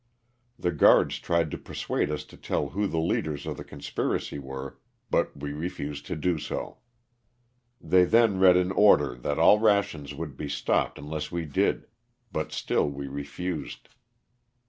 The guards tried to persuade us to tell who the leaders of the conspiracy were, but we refused to do so. They then read an order that all rations would be stopped unless we did, but still we refused.